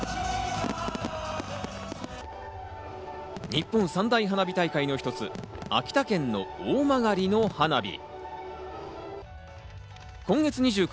日本三大花火大会の一つ、秋田県の大曲の花火。